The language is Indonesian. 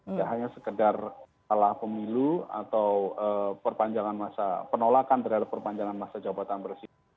bukan hanya sekedar salah pemilu atau penolakan terhadap perpanjangan masa jawabannya bersih